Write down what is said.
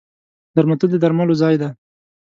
درملتون د درملو ځای دی.